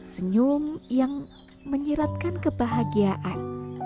senyum yang menyiratkan kebahagiaan